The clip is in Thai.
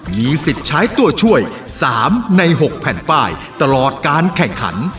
มีสิทธิ์ใช้ตัวช่วย๓ใน๖แผ่นป้ายตลอดการแข่งขัน